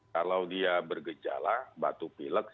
kalau dia bergejala batuk lep